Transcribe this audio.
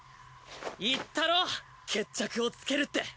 言ったろ決着をつけるって。